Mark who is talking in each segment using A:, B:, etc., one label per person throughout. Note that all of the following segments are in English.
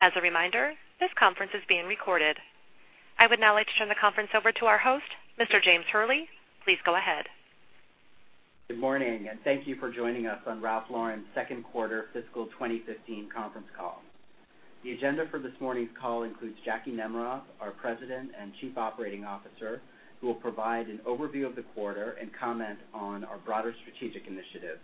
A: As a reminder, this conference is being recorded. I would now like to turn the conference over to our host, Mr. James Hurley. Please go ahead.
B: Good morning. Thank you for joining us on Ralph Lauren's second quarter fiscal 2015 conference call. The agenda for this morning's call includes Jackie Nemroff, our President and Chief Operating Officer, who will provide an overview of the quarter and comment on our broader strategic initiatives.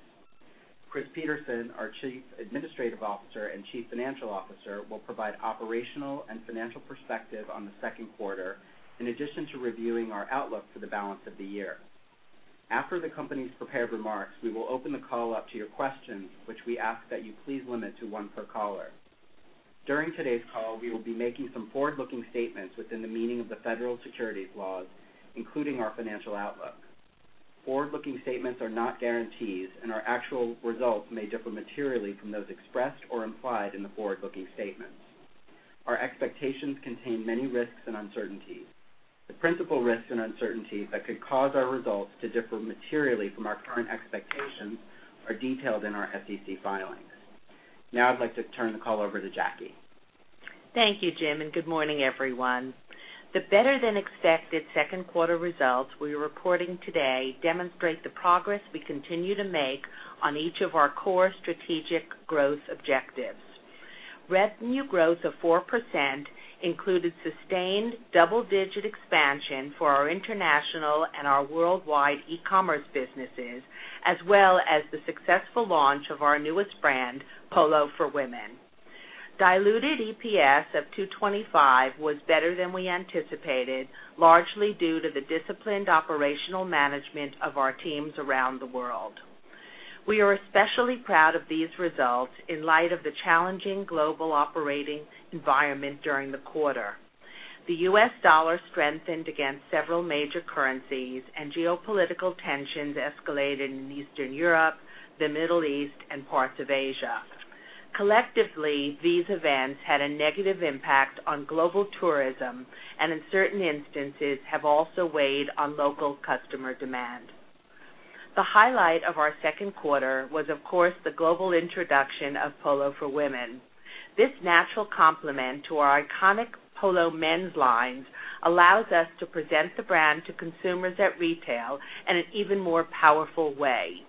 B: Chris Peterson, our Chief Administrative Officer and Chief Financial Officer, will provide operational and financial perspective on the second quarter, in addition to reviewing our outlook for the balance of the year. After the company's prepared remarks, we will open the call up to your questions, which we ask that you please limit to one per caller. During today's call, we will be making some forward-looking statements within the meaning of the federal securities laws, including our financial outlook. Forward-looking statements are not guarantees. Our actual results may differ materially from those expressed or implied in the forward-looking statements. Our expectations contain many risks and uncertainties. The principal risks and uncertainties that could cause our results to differ materially from our current expectations are detailed in our SEC filings. Now I'd like to turn the call over to Jackie.
C: Thank you, Jim. Good morning, everyone. The better-than-expected second-quarter results we are reporting today demonstrate the progress we continue to make on each of our core strategic growth objectives. Revenue growth of 4% included sustained double-digit expansion for our international and our worldwide e-commerce businesses, as well as the successful launch of our newest brand, Polo for Women. Diluted EPS of $2.25 was better than we anticipated, largely due to the disciplined operational management of our teams around the world. We are especially proud of these results in light of the challenging global operating environment during the quarter. The U.S. dollar strengthened against several major currencies. Geopolitical tensions escalated in Eastern Europe, the Middle East, and parts of Asia. Collectively, these events had a negative impact on global tourism and in certain instances, have also weighed on local customer demand. The highlight of our second quarter was, of course, the global introduction of Polo for Women. This natural complement to our iconic Polo men's lines allows us to present the brand to consumers at retail in an even more powerful way.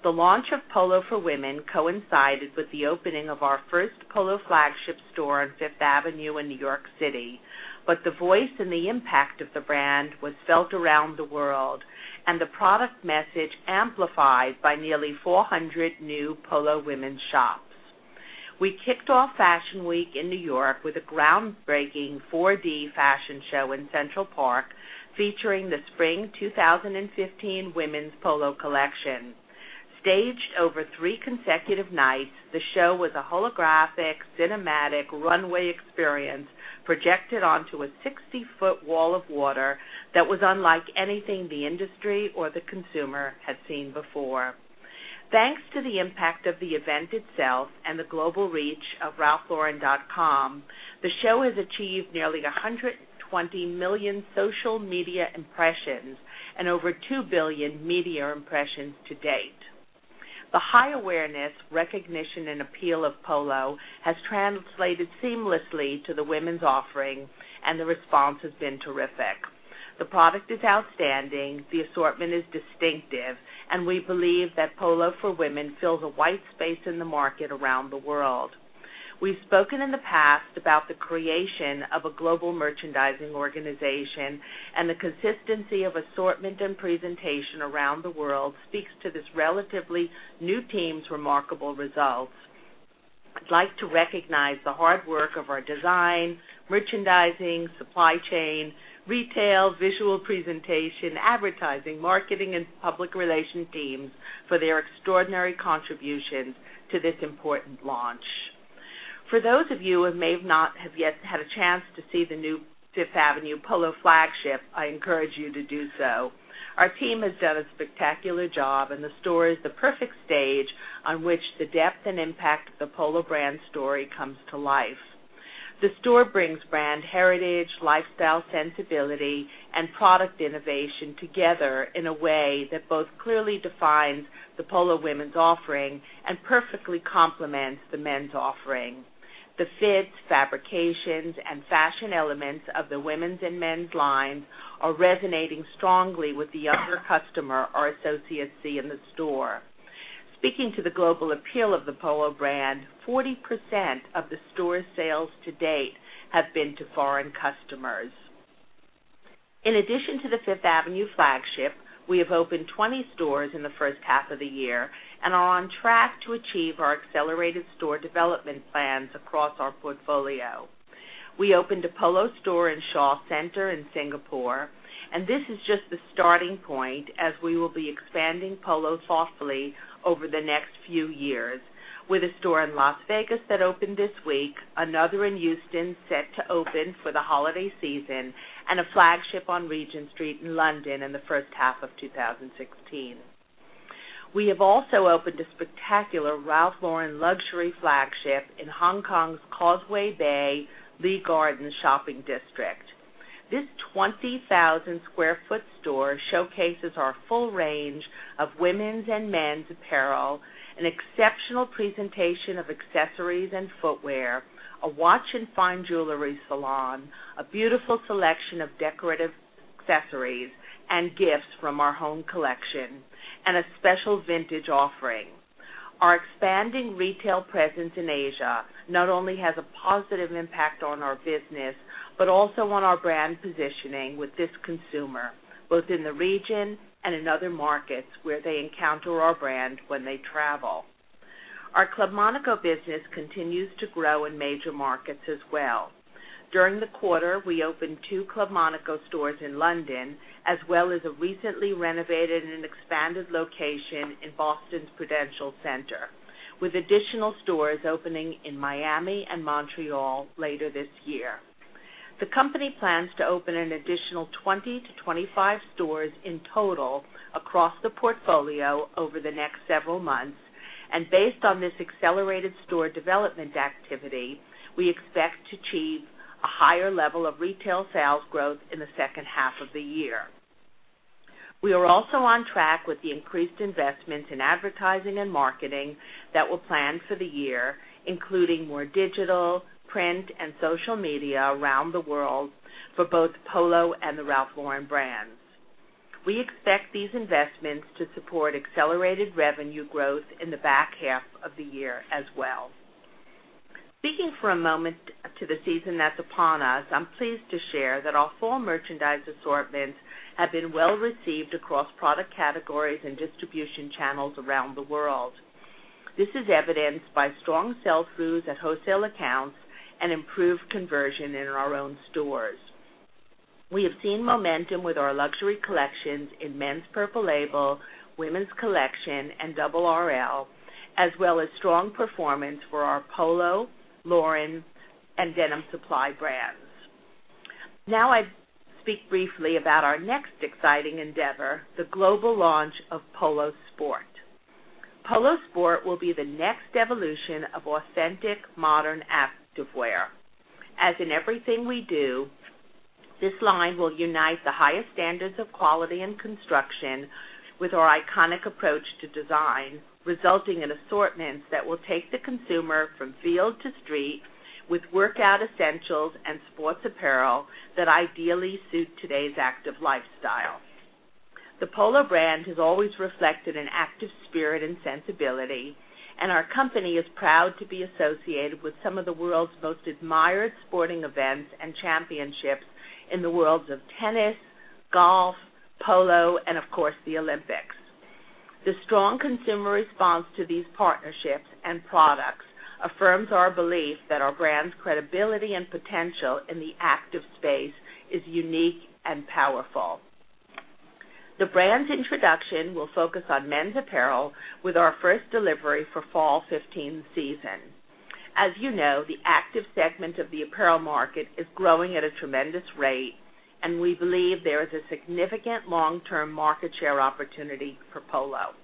C: The launch of Polo for Women coincided with the opening of our first Polo flagship store on Fifth Avenue in New York City. The voice and the impact of the brand was felt around the world, and the product message amplified by nearly 400 new Polo women's shops. We kicked off Fashion Week in New York with a groundbreaking 4D fashion show in Central Park, featuring the spring 2015 women's Polo collection. Staged over three consecutive nights, the show was a holographic cinematic runway experience projected onto a 60-foot wall of water that was unlike anything the industry or the consumer had seen before. Thanks to the impact of the event itself and the global reach of ralphlauren.com, the show has achieved nearly 120 million social media impressions and over 2 billion media impressions to date. The high awareness, recognition, and appeal of Polo has translated seamlessly to the women's offering. The response has been terrific. The product is outstanding, the assortment is distinctive, and we believe that Polo for Women fills a white space in the market around the world. We've spoken in the past about the creation of a global merchandising organization. The consistency of assortment and presentation around the world speaks to this relatively new team's remarkable results. I'd like to recognize the hard work of our design, merchandising, supply chain, retail, visual presentation, advertising, marketing, and public relations teams for their extraordinary contributions to this important launch. For those of you who may not have yet had a chance to see the new Fifth Avenue Polo flagship, I encourage you to do so. Our team has done a spectacular job. The store is the perfect stage on which the depth and impact of the Polo brand story comes to life. The store brings brand heritage, lifestyle sensibility, and product innovation together in a way that both clearly defines the Polo Women's offering and perfectly complements the men's offering. The fits, fabrications, and fashion elements of the women's and men's lines are resonating strongly with the younger customer our associates see in the store. Speaking to the global appeal of the Polo brand, 40% of the store's sales to date have been to foreign customers. In addition to the Fifth Avenue flagship, we have opened 20 stores in the first half of the year and are on track to achieve our accelerated store development plans across our portfolio. We opened a Polo store in Shaw Centre in Singapore. This is just the starting point as we will be expanding Polo thoughtfully over the next few years with a store in Las Vegas that opened this week, another in Houston set to open for the holiday season. A flagship on Regent Street in London in the first half of 2016. We have also opened a spectacular Ralph Lauren luxury flagship in Hong Kong's Causeway Bay Lee Garden shopping district. This 20,000 sq ft store showcases our full range of women's and men's apparel, an exceptional presentation of accessories and footwear, a watch and fine jewelry salon, a beautiful selection of decorative accessories and gifts from our home collection, and a special vintage offering. Our expanding retail presence in Asia not only has a positive impact on our business, but also on our brand positioning with this consumer, both in the region and in other markets where they encounter our brand when they travel. Our Club Monaco business continues to grow in major markets as well. During the quarter, we opened two Club Monaco stores in London, as well as a recently renovated and expanded location in Boston's Prudential Center, with additional stores opening in Miami and Montreal later this year. The company plans to open an additional 20-25 stores in total across the portfolio over the next several months. Based on this accelerated store development activity, we expect to achieve a higher level of retail sales growth in the second half of the year. We are also on track with the increased investment in advertising and marketing that we'll plan for the year, including more digital, print, and social media around the world for both Polo and the Ralph Lauren brands. We expect these investments to support accelerated revenue growth in the back half of the year as well. Speaking for a moment to the season that's upon us, I'm pleased to share that our fall merchandise assortments have been well-received across product categories and distribution channels around the world. This is evidenced by strong sell-throughs at wholesale accounts and improved conversion in our own stores. We have seen momentum with our luxury collections in Men's Purple Label, Women's Collection, and Double RL, as well as strong performance for our Polo, Lauren, and Denim & Supply brands. I'd speak briefly about our next exciting endeavor, the global launch of Polo Sport. Polo Sport will be the next evolution of authentic modern activewear. As in everything we do, this line will unite the highest standards of quality and construction with our iconic approach to design, resulting in assortments that will take the consumer from field to street with workout essentials and sports apparel that ideally suit today's active lifestyle. The Polo brand has always reflected an active spirit and sensibility, and our company is proud to be associated with some of the world's most admired sporting events and championships in the worlds of tennis, golf, polo, and of course, the Olympics. The strong consumer response to these partnerships and products affirms our belief that our brand's credibility and potential in the active space is unique and powerful. The brand's introduction will focus on men's apparel with our first delivery for fall 2015 season. You know, the active segment of the apparel market is growing at a tremendous rate, and we believe there is a significant long-term market share opportunity for Polo.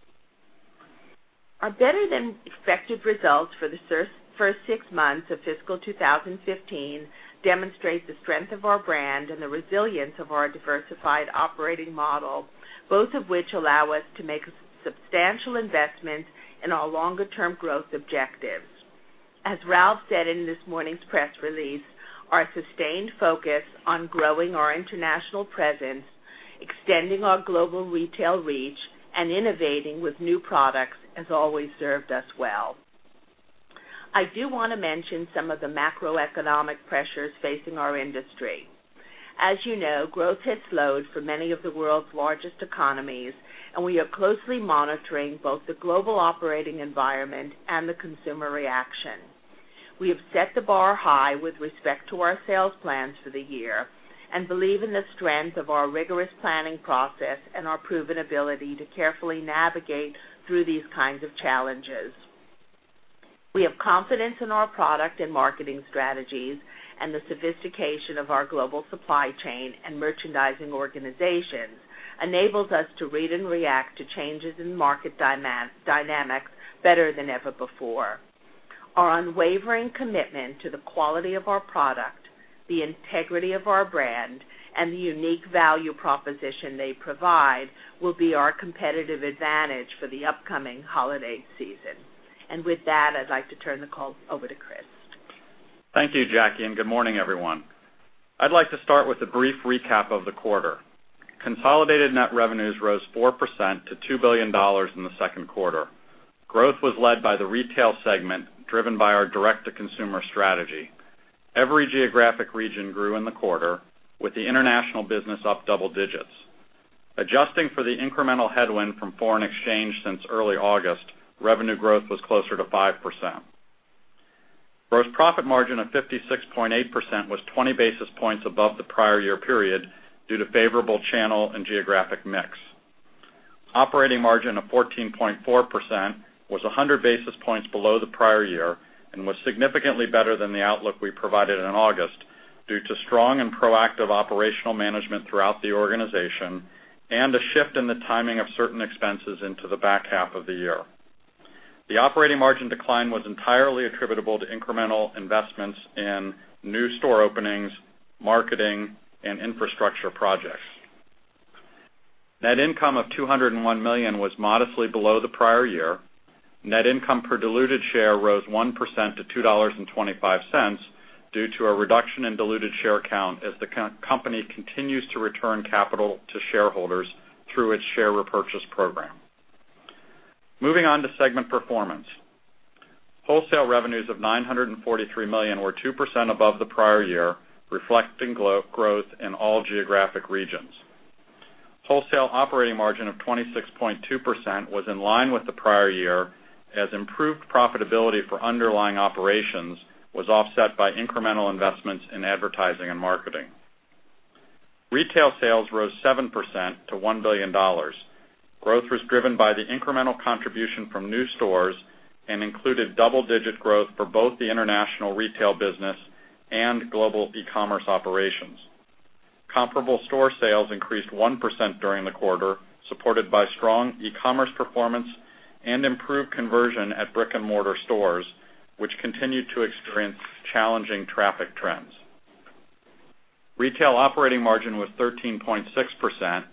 C: Our better-than-expected results for the first six months of fiscal 2015 demonstrate the strength of our brand and the resilience of our diversified operating model, both of which allow us to make substantial investments in our longer-term growth objectives. As Ralph said in this morning's press release, our sustained focus on growing our international presence, extending our global retail reach, and innovating with new products has always served us well. I do want to mention some of the macroeconomic pressures facing our industry. As you know, growth has slowed for many of the world's largest economies, and we are closely monitoring both the global operating environment and the consumer reaction. We have set the bar high with respect to our sales plans for the year and believe in the strength of our rigorous planning process and our proven ability to carefully navigate through these kinds of challenges. We have confidence in our product and marketing strategies, and the sophistication of our global supply chain and merchandising organizations enables us to read and react to changes in market dynamics better than ever before. Our unwavering commitment to the quality of our product, the integrity of our brand, and the unique value proposition they provide will be our competitive advantage for the upcoming holiday season. With that, I'd like to turn the call over to Chris.
D: Thank you, Jackie, and good morning, everyone. I'd like to start with a brief recap of the quarter. Consolidated net revenues rose 4% to $2 billion in the second quarter. Growth was led by the retail segment, driven by our direct-to-consumer strategy. Every geographic region grew in the quarter, with the international business up double digits. Adjusting for the incremental headwind from foreign exchange since early August, revenue growth was closer to 5%. Gross profit margin of 56.8% was 20 basis points above the prior year period due to favorable channel and geographic mix. Operating margin of 14.4% was 100 basis points below the prior year and was significantly better than the outlook we provided in August due to strong and proactive operational management throughout the organization and a shift in the timing of certain expenses into the back half of the year. The operating margin decline was entirely attributable to incremental investments in new store openings, marketing, and infrastructure projects. Net income of $201 million was modestly below the prior year. Net income per diluted share rose 1% to $2.25 due to a reduction in diluted share count as the company continues to return capital to shareholders through its share repurchase program. Moving on to segment performance. Wholesale revenues of $943 million were 2% above the prior year, reflecting growth in all geographic regions. Wholesale operating margin of 26.2% was in line with the prior year, as improved profitability for underlying operations was offset by incremental investments in advertising and marketing. Retail sales rose 7% to $1 billion. Growth was driven by the incremental contribution from new stores and included double-digit growth for both the international retail business and global e-commerce operations. Comparable store sales increased 1% during the quarter, supported by strong e-commerce performance and improved conversion at brick-and-mortar stores, which continued to experience challenging traffic trends. Retail operating margin was 13.6%,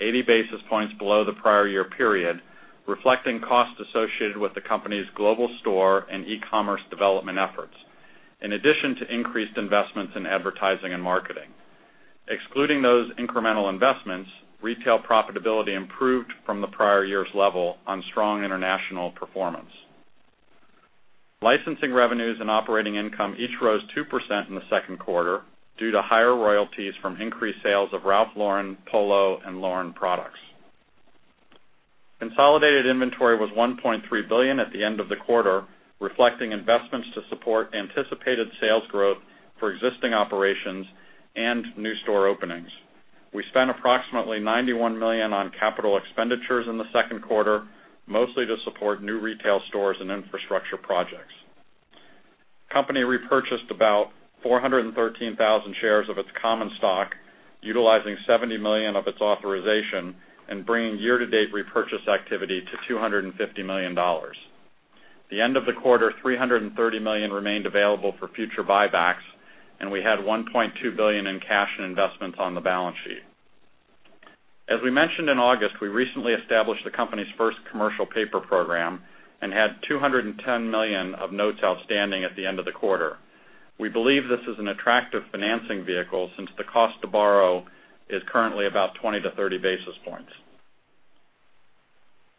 D: 80 basis points below the prior year period, reflecting costs associated with the company's global store and e-commerce development efforts, in addition to increased investments in advertising and marketing. Excluding those incremental investments, retail profitability improved from the prior year's level on strong international performance. Licensing revenues and operating income each rose 2% in the second quarter due to higher royalties from increased sales of Ralph Lauren, Polo, and Lauren products. Consolidated inventory was $1.3 billion at the end of the quarter, reflecting investments to support anticipated sales growth for existing operations and new store openings. We spent approximately $91 million on capital expenditures in the second quarter, mostly to support new retail stores and infrastructure projects. Company repurchased about 413,000 shares of its common stock, utilizing $70 million of its authorization and bringing year-to-date repurchase activity to $250 million. At the end of the quarter, $330 million remained available for future buybacks, and we had $1.2 billion in cash and investments on the balance sheet. As we mentioned in August, we recently established the company's first commercial paper program and had $210 million of notes outstanding at the end of the quarter. We believe this is an attractive financing vehicle since the cost to borrow is currently about 20 to 30 basis points.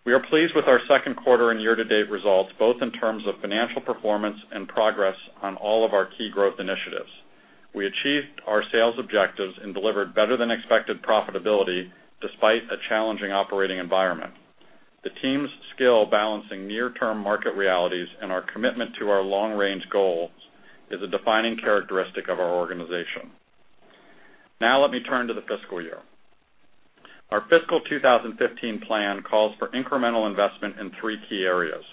D: We are pleased with our second quarter and year-to-date results, both in terms of financial performance and progress on all of our key growth initiatives. We achieved our sales objectives and delivered better than expected profitability despite a challenging operating environment. The team's skill balancing near-term market realities and our commitment to our long-range goals is a defining characteristic of our organization. Now let me turn to the fiscal year. Our fiscal 2015 plan calls for incremental investment in three key areas.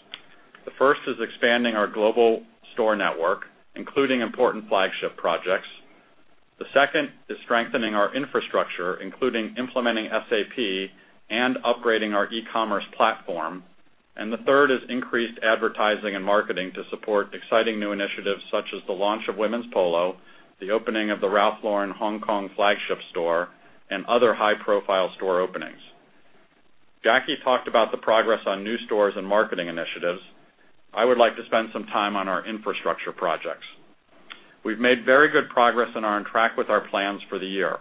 D: The first is expanding our global store network, including important flagship projects. The second is strengthening our infrastructure, including implementing SAP and upgrading our e-commerce platform. The third is increased advertising and marketing to support exciting new initiatives such as the launch of Women's Polo, the opening of the Ralph Lauren Hong Kong flagship store, and other high-profile store openings. Jackie talked about the progress on new stores and marketing initiatives. I would like to spend some time on our infrastructure projects. We've made very good progress and are on track with our plans for the year.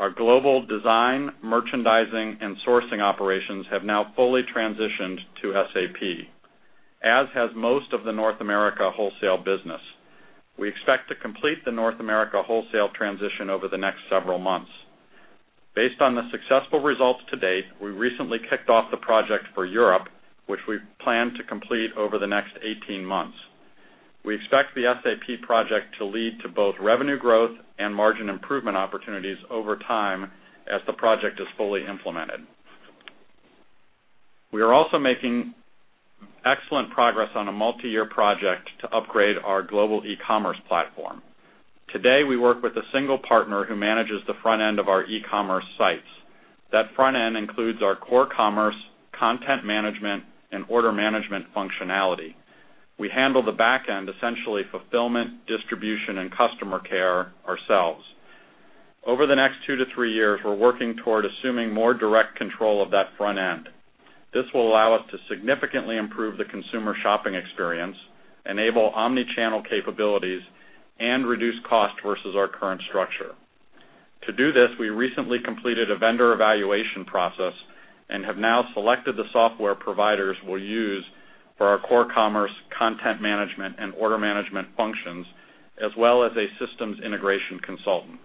D: Our global design, merchandising, and sourcing operations have now fully transitioned to SAP, as has most of the North America wholesale business. We expect to complete the North America wholesale transition over the next several months. Based on the successful results to date, we recently kicked off the project for Europe, which we plan to complete over the next 18 months. We expect the SAP project to lead to both revenue growth and margin improvement opportunities over time as the project is fully implemented. We are also making excellent progress on a multi-year project to upgrade our global e-commerce platform. Today, we work with a single partner who manages the front end of our e-commerce sites. That front end includes our core commerce, content management, and order management functionality. We handle the back end, essentially fulfillment, distribution, and customer care ourselves. Over the next two to three years, we're working toward assuming more direct control of that front end. This will allow us to significantly improve the consumer shopping experience, enable omni-channel capabilities, and reduce cost versus our current structure. To do this, we recently completed a vendor evaluation process and have now selected the software providers we'll use for our core commerce, content management, and order management functions, as well as a systems integration consultant.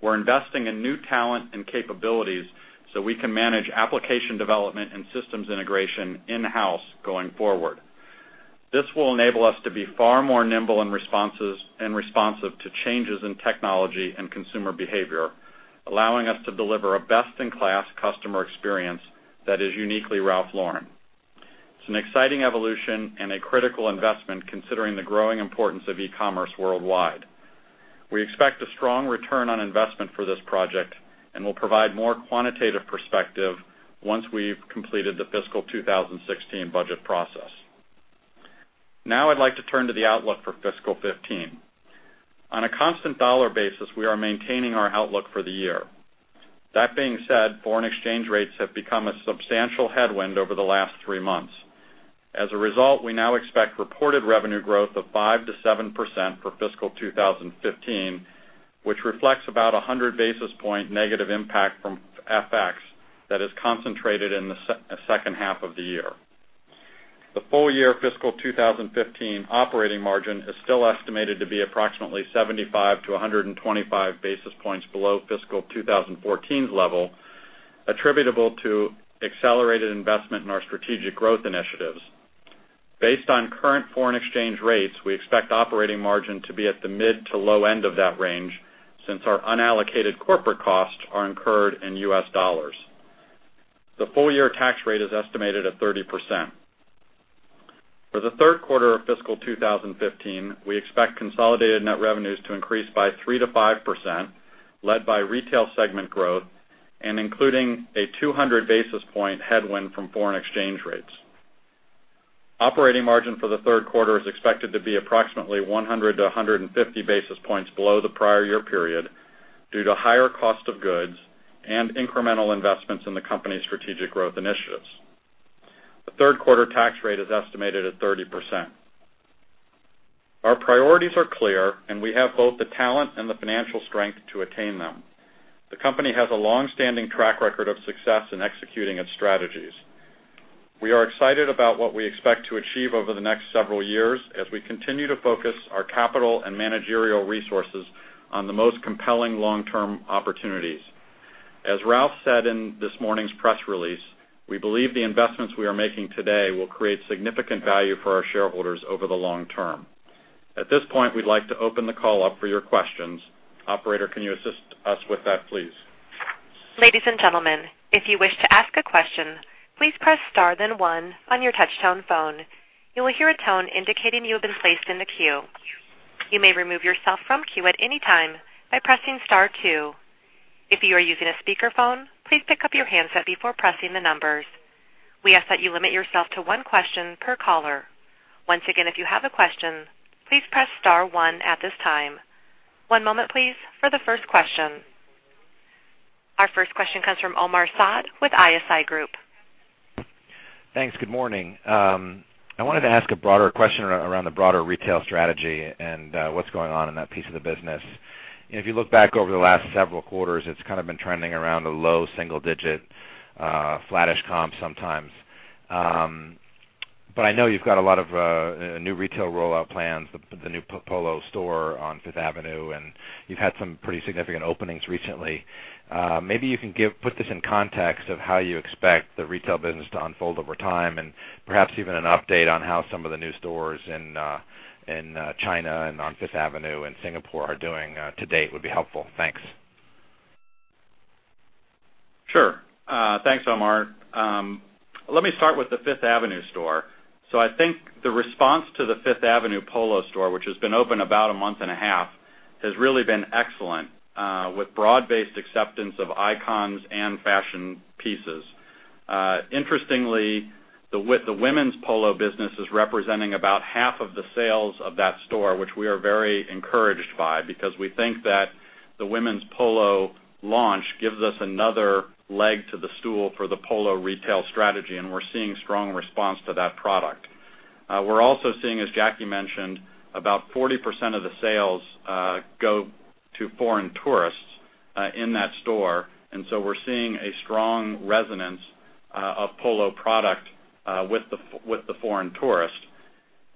D: We're investing in new talent and capabilities so we can manage application development and systems integration in-house going forward. This will enable us to be far more nimble and responsive to changes in technology and consumer behavior, allowing us to deliver a best-in-class customer experience that is uniquely Ralph Lauren. It's an exciting evolution and a critical investment considering the growing importance of e-commerce worldwide. We expect a strong return on investment for this project, and we'll provide more quantitative perspective once we've completed the fiscal 2016 budget process. I'd like to turn to the outlook for fiscal 2015. On a constant dollar basis, we are maintaining our outlook for the year. That being said, foreign exchange rates have become a substantial headwind over the last three months. As a result, we now expect reported revenue growth of 5% to 7% for fiscal 2015, which reflects about 100 basis point negative impact from FX that is concentrated in the second half of the year. The full year fiscal 2015 operating margin is still estimated to be approximately 75 to 125 basis points below fiscal 2014's level, attributable to accelerated investment in our strategic growth initiatives. Based on current foreign exchange rates, we expect operating margin to be at the mid to low end of that range, since our unallocated corporate costs are incurred in U.S. dollars. The full-year tax rate is estimated at 30%. For the third quarter of fiscal 2015, we expect consolidated net revenues to increase by 3% to 5%, led by Retail segment growth and including a 200 basis point headwind from foreign exchange rates. Operating margin for the third quarter is expected to be approximately 100 to 150 basis points below the prior year period due to higher cost of goods and incremental investments in the company's strategic growth initiatives. The third quarter tax rate is estimated at 30%. Our priorities are clear. We have both the talent and the financial strength to attain them. The company has a long-standing track record of success in executing its strategies. We are excited about what we expect to achieve over the next several years, as we continue to focus our capital and managerial resources on the most compelling long-term opportunities. As Ralph said in this morning's press release, we believe the investments we are making today will create significant value for our shareholders over the long term. At this point, we'd like to open the call up for your questions. Operator, can you assist us with that, please?
A: Ladies and gentlemen, if you wish to ask a question, please press star then one on your touch-tone phone. You will hear a tone indicating you have been placed in the queue. You may remove yourself from queue at any time by pressing star two. If you are using a speakerphone, please pick up your handset before pressing the numbers. We ask that you limit yourself to one question per caller. Once again, if you have a question, please press star one at this time. One moment, please, for the first question. Our first question comes from Omar Saad with ISI Group.
E: Thanks. Good morning. I wanted to ask a broader question around the broader retail strategy and what's going on in that piece of the business. If you look back over the last several quarters, it's kind of been trending around a low single digit, flattish comp sometimes. I know you've got a lot of new retail rollout plans, the new Polo store on Fifth Avenue, and you've had some pretty significant openings recently. Maybe you can put this in context of how you expect the retail business to unfold over time, and perhaps even an update on how some of the new stores in China and on Fifth Avenue and Singapore are doing to date would be helpful. Thanks.
D: Sure. Thanks, Omar. Let me start with the Fifth Avenue store. I think the response to the Fifth Avenue Polo store, which has been open about a month and a half, has really been excellent, with broad-based acceptance of icons and fashion pieces. Interestingly, the women's Polo business is representing about half of the sales of that store, which we are very encouraged by because we think that the women's Polo launch gives us another leg to the stool for the Polo retail strategy. We're also seeing, as Jackie mentioned, about 40% of the sales go to foreign tourists in that store. We're seeing a strong resonance of Polo product with the foreign tourist.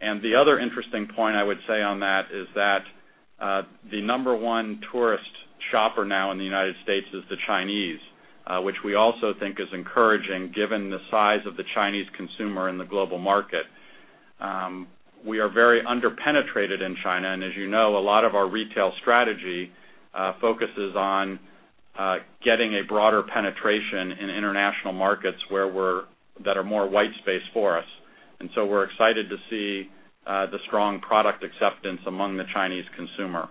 D: The other interesting point I would say on that, is that the number 1 tourist shopper now in the U.S. is the Chinese, which we also think is encouraging given the size of the Chinese consumer in the global market. We are very under-penetrated in China, and as you know, a lot of our retail strategy focuses on getting a broader penetration in international markets that are more white space for us. We're excited to see the strong product acceptance among the Chinese consumer.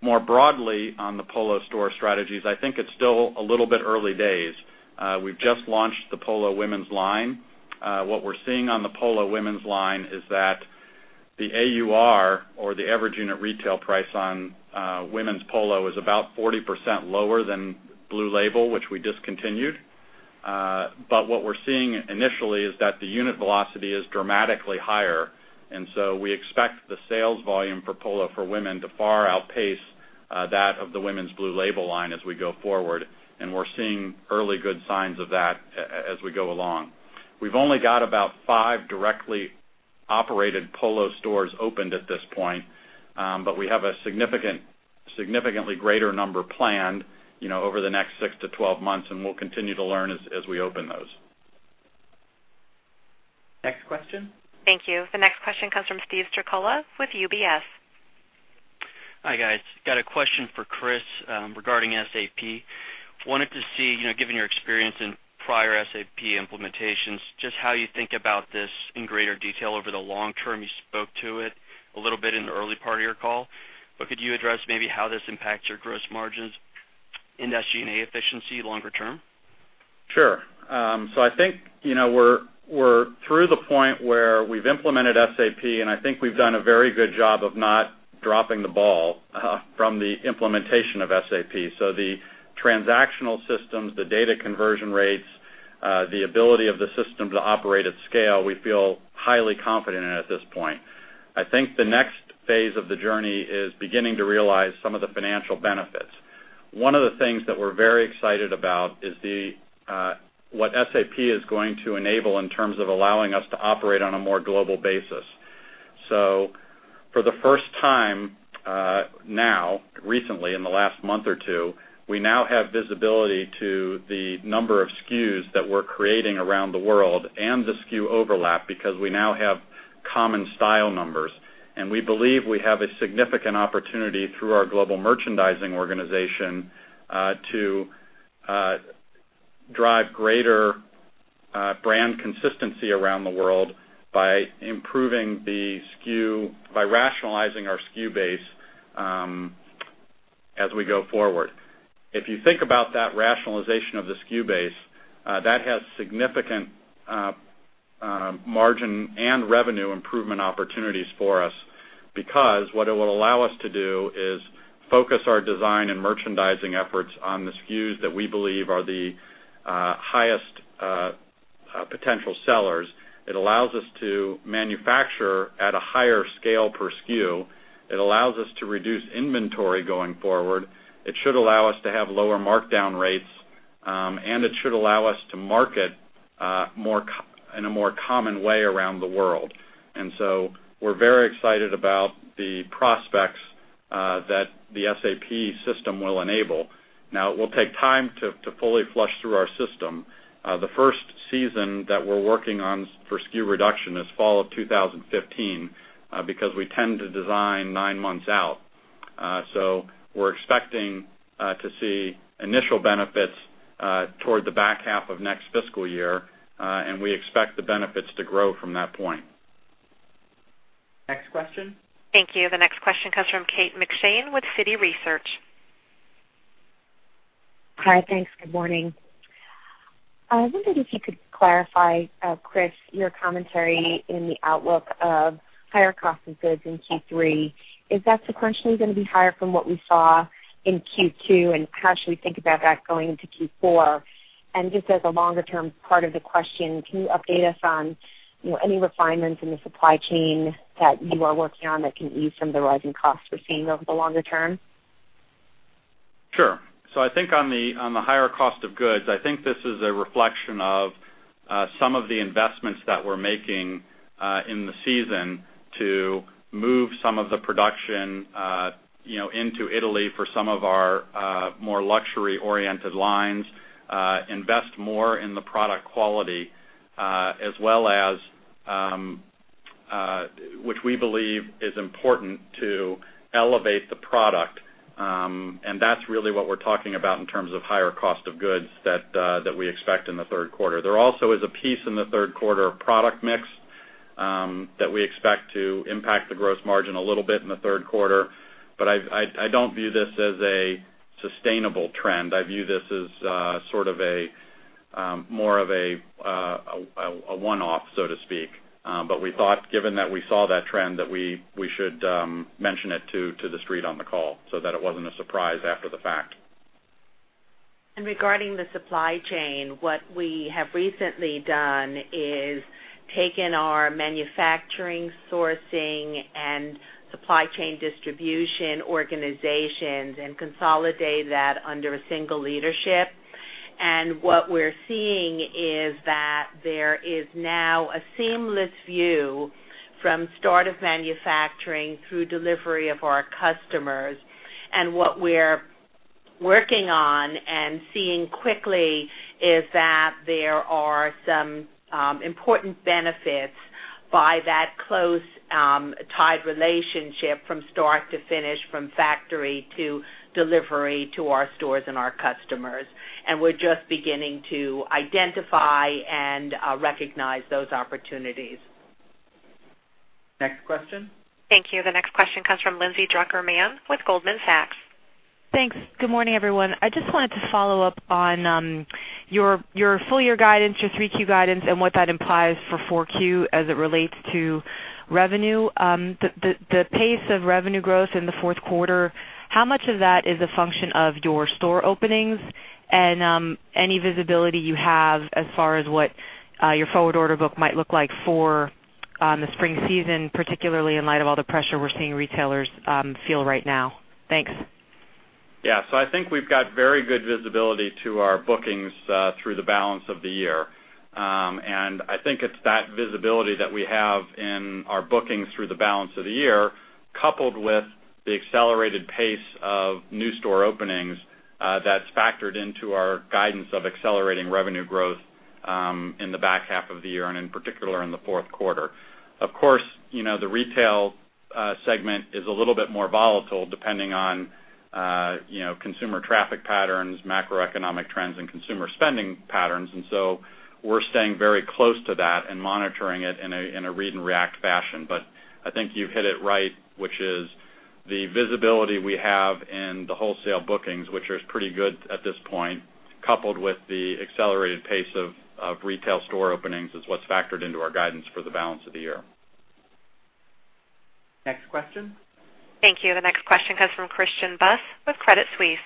D: More broadly on the Polo store strategies, I think it's still a little bit early days. We've just launched the Polo women's line. What we're seeing on the Polo women's line is that the AUR, or the average unit retail price on women's Polo, is about 40% lower than Blue Label, which we discontinued. What we're seeing initially is that the unit velocity is dramatically higher. We expect the sales volume for Polo for Women to far outpace that of the Women's Blue Label line as we go forward. We're seeing early good signs of that as we go along. We've only got about five directly operated Polo stores opened at this point. We have a significantly greater number planned over the next 6 to 12 months, and we'll continue to learn as we open those.
A: Next question. Thank you. The next question comes from Michael Binetti with UBS.
F: Hi, guys. Got a question for Chris regarding SAP. Wanted to see, given your experience in prior SAP implementations, just how you think about this in greater detail over the long term. You spoke to it a little bit in the early part of your call, could you address maybe how this impacts your gross margins in SG&A efficiency longer term?
D: Sure. I think, we're through the point where we've implemented SAP, and I think we've done a very good job of not dropping the ball from the implementation of SAP. The transactional systems, the data conversion rates, the ability of the system to operate at scale, we feel highly confident in it at this point. I think the next phase of the journey is beginning to realize some of the financial benefits. One of the things that we're very excited about is what SAP is going to enable in terms of allowing us to operate on a more global basis. For the first time now, recently, in the last month or two, we now have visibility to the number of SKUs that we're creating around the world and the SKU overlap, because we now have common style numbers. We believe we have a significant opportunity through our global merchandising organization, to drive greater brand consistency around the world by rationalizing our SKU base as we go forward. If you think about that rationalization of the SKU base, that has significant margin and revenue improvement opportunities for us. Because what it will allow us to do is focus our design and merchandising efforts on the SKUs that we believe are the highest potential sellers. It allows us to manufacture at a higher scale per SKU. It allows us to reduce inventory going forward. It should allow us to have lower markdown rates. It should allow us to market in a more common way around the world. We are very excited about the prospects that the SAP system will enable. It will take time to fully flush through our system. The first season that we are working on for SKU reduction is fall of 2015, because we tend to design nine months out. So we are expecting to see initial benefits toward the back half of next fiscal year. We expect the benefits to grow from that point.
B: Next question.
A: Thank you. The next question comes from Kate McShane with Citi Research.
G: Hi, thanks. Good morning. I was wondering if you could clarify, Chris, your commentary in the outlook of higher cost of goods in Q3. Is that sequentially going to be higher from what we saw in Q2? How should we think about that going into Q4? Just as a longer-term part of the question, can you update us on any refinements in the supply chain that you are working on that can ease some of the rising costs we're seeing over the longer term?
D: Sure. I think on the higher cost of goods, I think this is a reflection of some of the investments that we're making in the season to move some of the production into Italy for some of our more luxury-oriented lines, invest more in the product quality, which we believe is important to elevate the product. That's really what we're talking about in terms of higher cost of goods that we expect in the third quarter. There also is a piece in the third quarter product mix that we expect to impact the gross margin a little bit in the third quarter. I don't view this as a sustainable trend. I view this as sort of more of a one-off, so to speak. We thought given that we saw that trend, that we should mention it to the street on the call so that it wasn't a surprise after the fact.
C: Regarding the supply chain, what we have recently done is taken our manufacturing, sourcing, and supply chain distribution organizations and consolidated that under a single leadership. What we're seeing is that there is now a seamless view from start of manufacturing through delivery of our customers. What we're working on and seeing quickly is that there are some important benefits by that close tied relationship from start to finish, from factory to delivery to our stores and our customers. We're just beginning to identify and recognize those opportunities.
B: Next question.
A: Thank you. The next question comes from Lindsay Drucker Mann with Goldman Sachs.
H: Thanks. Good morning, everyone. I just wanted to follow up on your full year guidance, your Q3 guidance, and what that implies for Q4 as it relates to revenue. The pace of revenue growth in the fourth quarter, how much of that is a function of your store openings and any visibility you have as far as what your forward order book might look like for the spring season, particularly in light of all the pressure we're seeing retailers feel right now? Thanks.
D: Yeah. I think we've got very good visibility to our bookings through the balance of the year. I think it's that visibility that we have in our bookings through the balance of the year, coupled with the accelerated pace of new store openings, that's factored into our guidance of accelerating revenue growth in the back half of the year and in particular in the fourth quarter. Of course, the retail segment is a little bit more volatile depending on consumer traffic patterns, macroeconomic trends, and consumer spending patterns. We're staying very close to that and monitoring it in a read and react fashion. I think you've hit it right, which is the visibility we have in the wholesale bookings, which is pretty good at this point, coupled with the accelerated pace of retail store openings, is what's factored into our guidance for the balance of the year.
B: Next question.
A: Thank you. The next question comes from Christian Buss of Credit Suisse.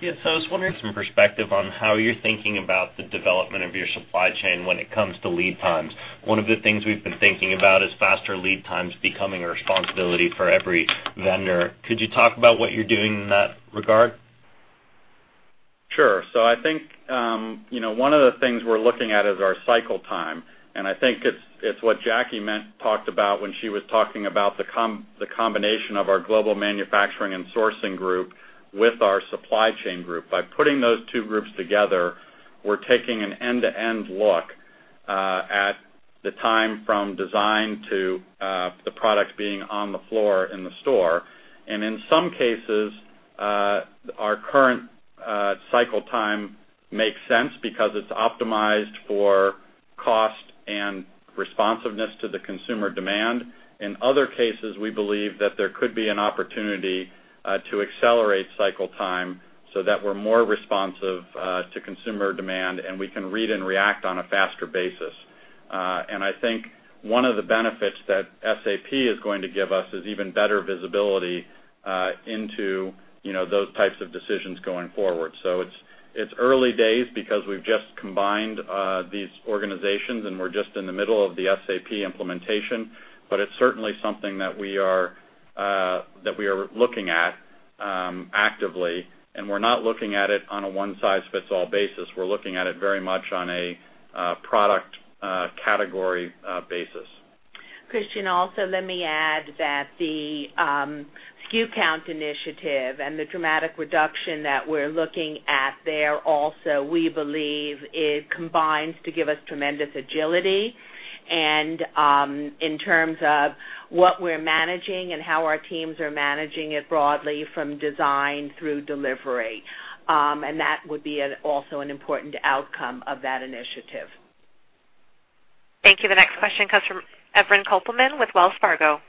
I: Yes. I was wondering some perspective on how you're thinking about the development of your supply chain when it comes to lead times. One of the things we've been thinking about is faster lead times becoming a responsibility for every vendor. Could you talk about what you're doing in that regard?
D: Sure. I think, one of the things we're looking at is our cycle time. I think it's what Jackie talked about when she was talking about the combination of our global manufacturing and sourcing group with our supply chain group. By putting those two groups together, we're taking an end-to-end look at the time from design to the product being on the floor in the store. In some cases, our current cycle time makes sense because it's optimized for cost and responsiveness to the consumer demand. In other cases, we believe that there could be an opportunity to accelerate cycle time so that we're more responsive to consumer demand, and we can read and react on a faster basis. I think one of the benefits that SAP is going to give us is even better visibility into those types of decisions going forward. It's early days because we've just combined these organizations, and we're just in the middle of the SAP implementation. It's certainly something that we are looking at actively, and we're not looking at it on a one-size-fits-all basis. We're looking at it very much on a product category basis.
C: Christian, also let me add that the SKU count initiative and the dramatic reduction that we're looking at there also, we believe it combines to give us tremendous agility, in terms of what we're managing and how our teams are managing it broadly from design through delivery. That would be also an important outcome of that initiative.
A: Thank you. The next question comes from Evren Kopelman with Wells Fargo.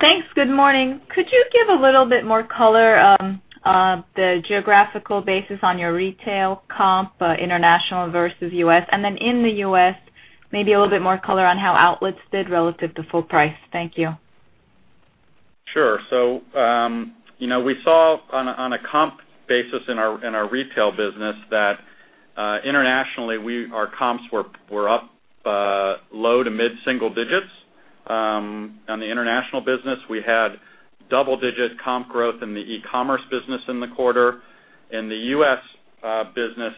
J: Thanks. Good morning. Could you give a little bit more color on the geographical basis on your retail comp, international versus U.S.? In the U.S., maybe a little bit more color on how outlets did relative to full price. Thank you.
D: Sure. We saw on a comp basis in our retail business that internationally our comps were up low to mid-single digits. On the international business, we had double-digit comp growth in the e-commerce business in the quarter. In the U.S. business,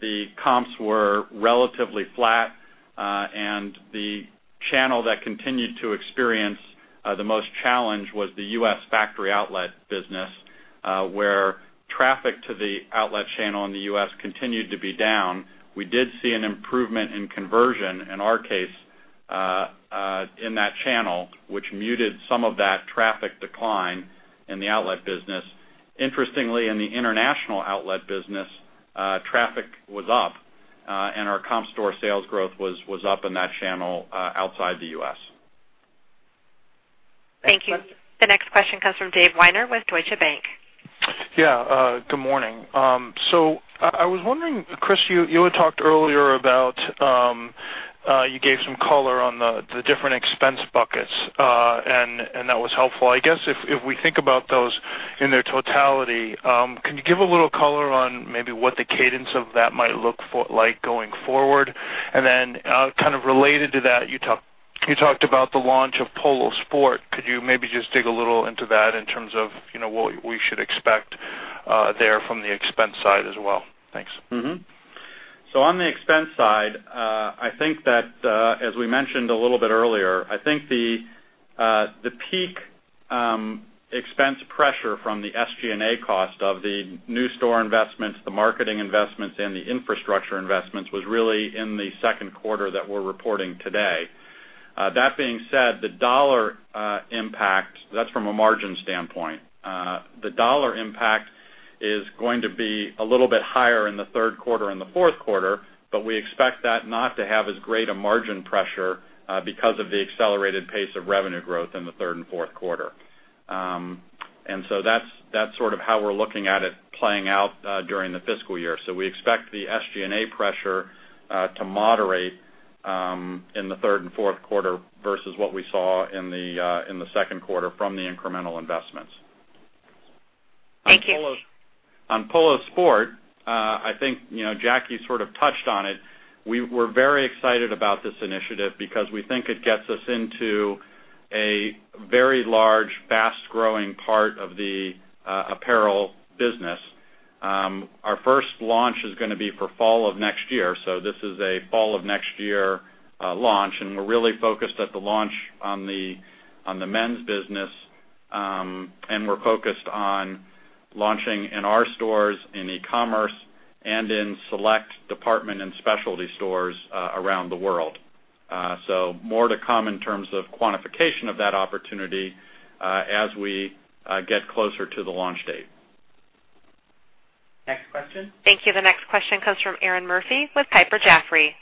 D: the comps were relatively flat. The channel that continued to experience the most challenge was the U.S. factory outlet business, where traffic to the outlet channel in the U.S. continued to be down. We did see an improvement in conversion, in our case, in that channel, which muted some of that traffic decline in the outlet business. Interestingly, in the international outlet business, traffic was up, and our comp store sales growth was up in that channel outside the U.S.
J: Thank you.
A: The next question comes from David Weiner with Deutsche Bank.
K: Good morning. I was wondering, Chris, you had talked earlier about. You gave some color on the different expense buckets, and that was helpful. I guess if we think about those in their totality, can you give a little color on maybe what the cadence of that might look like going forward? Kind of related to that, you talked about the launch of Polo Sport. Could you maybe just dig a little into that in terms of what we should expect there from the expense side as well? Thanks.
D: On the expense side, I think that, as we mentioned a little bit earlier, I think the peak expense pressure from the SG&A cost of the new store investments, the marketing investments, and the infrastructure investments was really in the second quarter that we're reporting today. That being said, the dollar impact, that's from a margin standpoint. The dollar impact is going to be a little bit higher in the third quarter and the fourth quarter, but we expect that not to have as great a margin pressure because of the accelerated pace of revenue growth in the third and fourth quarter. That's sort of how we're looking at it playing out during the fiscal year. We expect the SG&A pressure to moderate in the third and fourth quarter versus what we saw in the second quarter from the incremental investments.
K: Thank you.
D: On Polo Sport, I think Jackie sort of touched on it. We're very excited about this initiative because we think it gets us into a very large, fast-growing part of the apparel business. Our first launch is going to be for fall of next year. This is a fall of next year launch, and we're really focused at the launch on the men's business. We're focused on launching in our stores, in e-commerce, and in select department and specialty stores around the world. More to come in terms of quantification of that opportunity as we get closer to the launch date.
B: Next question. Thank you. The next question comes from Erinn Murphy with Piper Jaffray.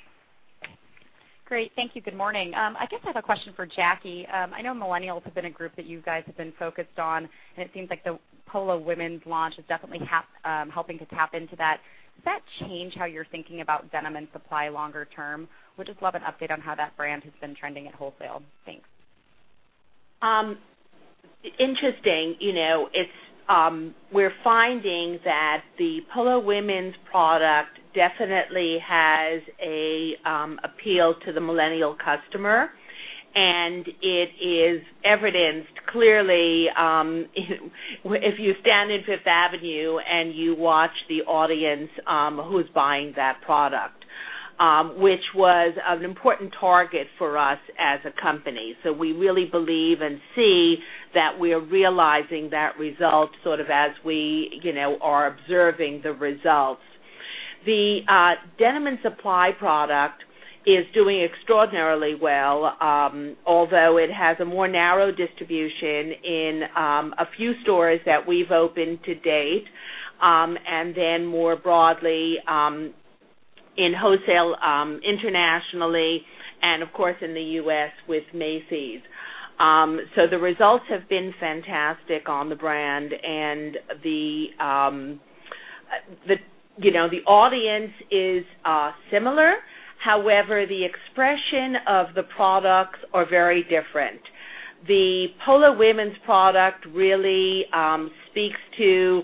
L: Great. Thank you. Good morning. I guess I have a question for Jackie. I know millennials have been a group that you guys have been focused on, and it seems like the Polo women's launch is definitely helping to tap into that. Does that change how you're thinking about Denim & Supply longer term? Would just love an update on how that brand has been trending at wholesale. Thanks.
C: Interesting. We're finding that the Polo women's product definitely has an appeal to the millennial customer, and it is evidenced clearly, if you stand in Fifth Avenue and you watch the audience who's buying that product, which was an important target for us as a company. We really believe and see that we are realizing that result sort of as we are observing the results. The Denim & Supply product is doing extraordinarily well, although it has a more narrow distribution in a few stores that we've opened to date, and then more broadly, in wholesale internationally, and of course, in the U.S. with Macy's. The results have been fantastic on the brand, and the audience is similar. However, the expression of the products are very different. The Polo women's product really speaks to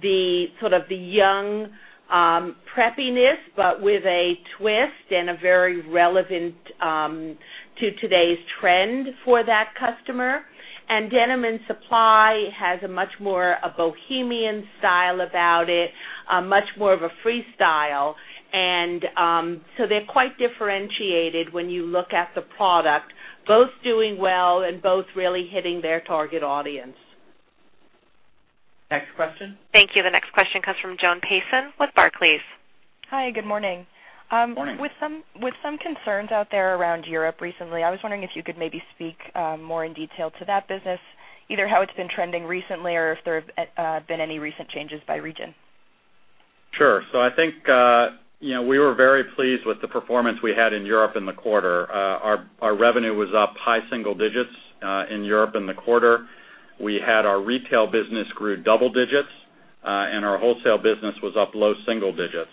C: the sort of the young preppiness, but with a twist and are very relevant to today's trend for that customer. Denim & Supply has a much more bohemian style about it, much more of a freestyle. So they're quite differentiated when you look at the product, both doing well and both really hitting their target audience.
B: Next question.
A: Thank you. The next question comes from Joan Payson with Barclays.
M: Hi, good morning.
D: Morning.
M: With some concerns out there around Europe recently, I was wondering if you could maybe speak more in detail to that business, either how it's been trending recently or if there have been any recent changes by region.
D: Sure. I think we were very pleased with the performance we had in Europe in the quarter. Our revenue was up high single digits in Europe in the quarter. We had our retail business grew double digits, and our wholesale business was up low single digits.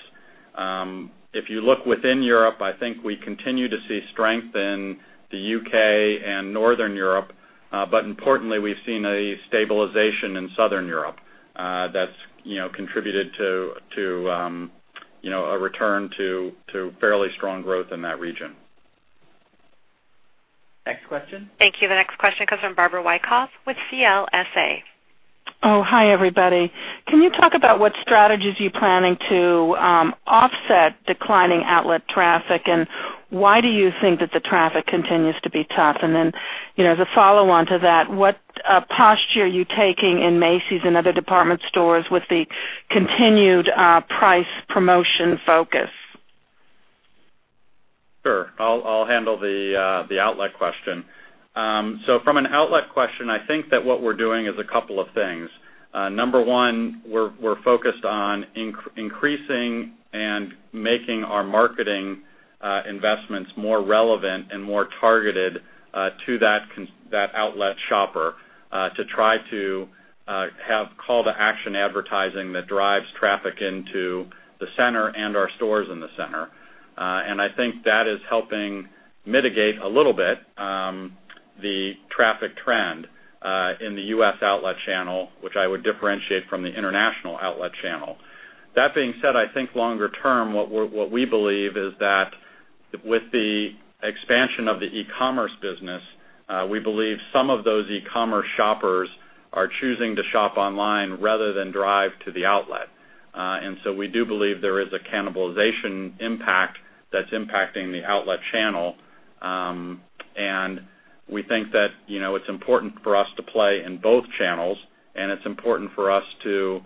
D: If you look within Europe, I think we continue to see strength in the U.K. and Northern Europe. Importantly, we've seen a stabilization in Southern Europe that's contributed to a return to fairly strong growth in that region.
B: Next question. Thank you. The next question comes from Barbara Wyckoff with CLSA.
N: Oh, hi, everybody. Can you talk about what strategies you're planning to offset declining outlet traffic, and why do you think that the traffic continues to be tough? As a follow-on to that, what posture are you taking in Macy's and other department stores with the continued price promotion focus?
D: Sure. I'll handle the outlet question. From an outlet question, I think that what we're doing is a couple of things. Number one, we're focused on increasing and making our marketing investments more relevant and more targeted to that outlet shopper to try to have call-to-action advertising that drives traffic into the center and our stores in the center. I think that is helping mitigate a little bit, the traffic trend, in the U.S. outlet channel, which I would differentiate from the international outlet channel. That being said, I think longer term, what we believe is that with the expansion of the e-commerce business, we believe some of those e-commerce shoppers are choosing to shop online rather than drive to the outlet. We do believe there is a cannibalization impact that's impacting the outlet channel. We think that it's important for us to play in both channels, and it's important for us to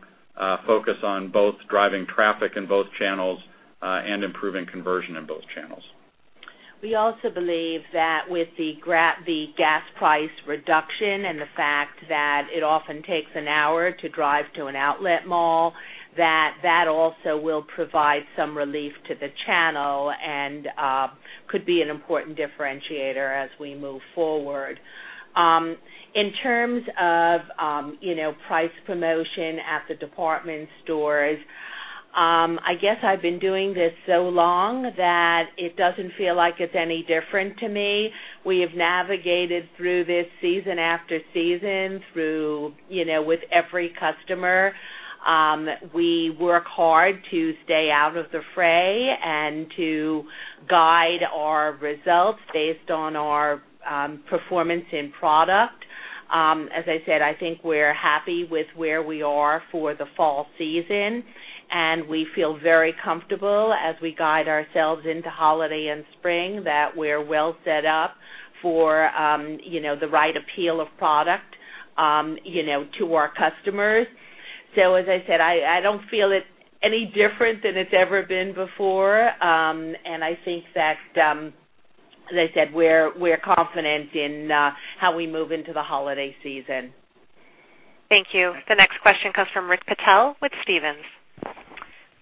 D: focus on both driving traffic in both channels and improving conversion in both channels.
C: We also believe that with the gas price reduction and the fact that it often takes an hour to drive to an outlet mall, that that also will provide some relief to the channel and could be an important differentiator as we move forward. In terms of price promotion at the department stores, I guess I've been doing this so long that it doesn't feel like it's any different to me. We have navigated through this season after season with every customer. We work hard to stay out of the fray and to guide our results based on our performance in product. As I said, I think we're happy with where we are for the fall season, and we feel very comfortable as we guide ourselves into holiday and spring, that we're well set up for the right appeal of product to our customers. As I said, I don't feel it any different than it's ever been before. I think that, as I said, we're confident in how we move into the holiday season.
A: Thank you. The next question comes from Rakesh Patel with Stephens.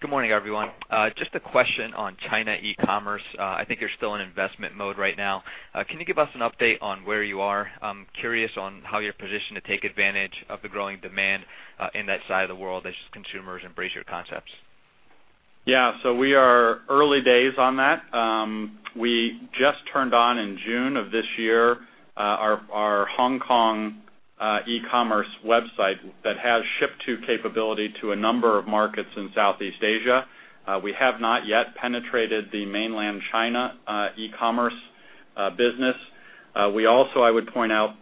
O: Good morning, everyone. Just a question on China e-commerce. I think you're still in investment mode right now. Can you give us an update on where you are? I'm curious on how you're positioned to take advantage of the growing demand in that side of the world as consumers embrace your concepts.
D: Yeah. We are early days on that. We just turned on in June of this year, our Hong Kong e-commerce website that has ship to capability to a number of markets in Southeast Asia. We have not yet penetrated the mainland China e-commerce business. We also, I would point out,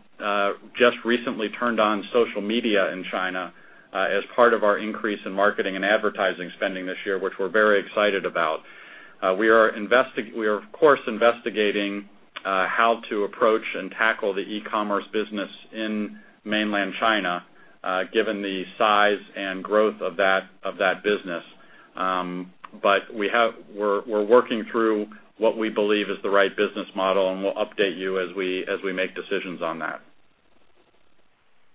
D: just recently turned on social media in China, as part of our increase in marketing and advertising spending this year, which we're very excited about. We are, of course, investigating how to approach and tackle the e-commerce business in mainland China, given the size and growth of that business. We're working through what we believe is the right business model, and we'll update you as we make decisions on that.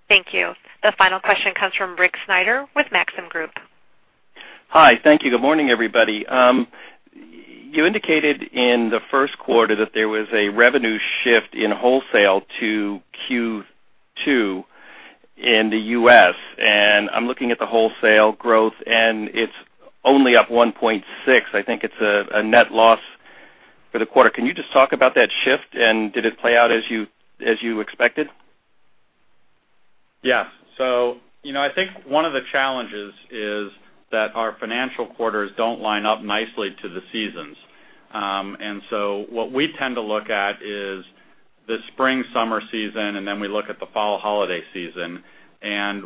A: Thank you. The final question comes from Rick Snyder with Maxim Group.
P: Hi. Thank you. Good morning, everybody. You indicated in the first quarter that there was a revenue shift in wholesale to Q2 in the U.S. I'm looking at the wholesale growth, it's only up 1.6%. I think it's a net loss for the quarter. Can you just talk about that shift, did it play out as you expected?
D: Yes. I think one of the challenges is that our financial quarters don't line up nicely to the seasons. What we tend to look at is the spring, summer season, then we look at the fall holiday season.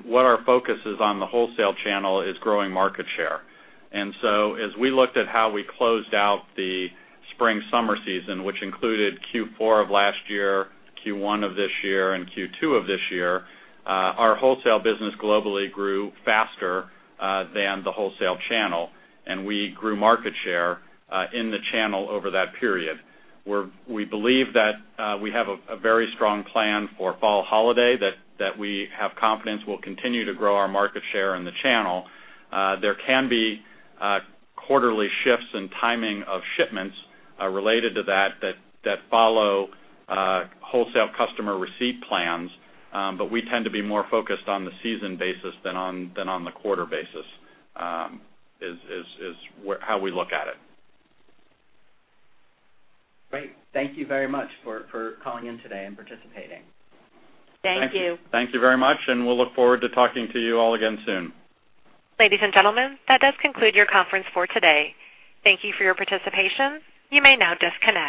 D: What our focus is on the wholesale channel is growing market share. As we looked at how we closed out the spring, summer season, which included Q4 of last year, Q1 of this year, and Q2 of this year, our wholesale business globally grew faster than the wholesale channel, we grew market share in the channel over that period. We believe that we have a very strong plan for fall holiday that we have confidence will continue to grow our market share in the channel. There can be quarterly shifts in timing of shipments related to that follow wholesale customer receipt plans. We tend to be more focused on the season basis than on the quarter basis, is how we look at it.
B: Great. Thank you very much for calling in today and participating.
C: Thank you.
D: Thank you very much, and we'll look forward to talking to you all again soon.
A: Ladies and gentlemen, that does conclude your conference for today. Thank you for your participation. You may now disconnect.